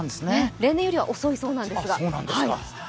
例年よりは遅いそうなんですが。